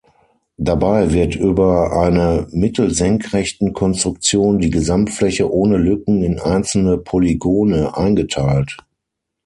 Dabei wird über eine Mittelsenkrechten-Konstruktion die Gesamtfläche ohne Lücken in einzelne Polygone eingeteilt.